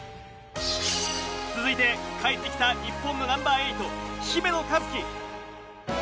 続いて帰ってきた日本のナンバー８、姫野和樹。